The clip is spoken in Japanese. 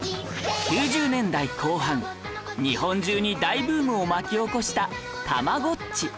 ９０年代後半日本中に大ブームを巻き起こした